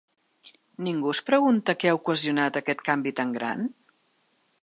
Ningú es pregunta què ha ocasionat aquest canvi tan gran?